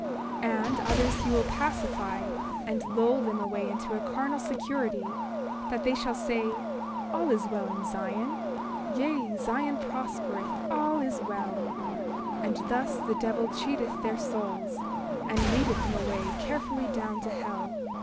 28:21 And others will he pacify, and lull them away into carnal security, that they will say: All is well in Zion; yea, Zion prospereth, all is well—and thus the devil cheateth their souls, and leadeth them away carefully down to hell.